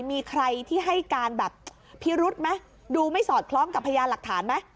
มีใครที่ให้การแบบพิรุธไหมดูไม่สอดคล้องกับพยานหลักฐานไหม